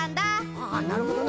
あなるほどな！